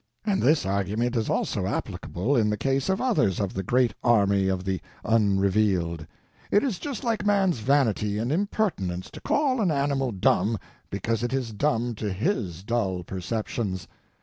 And this argument is also applicable in the case of others of the great army of the Unrevealed. It is just like man's vanity and impertinence to call an animal dumb because it is dumb to his dull perceptions.